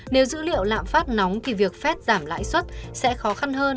nếu dữ liệu lạm phát nóng thì việc fed giảm lãi xuất sẽ khó khăn hơn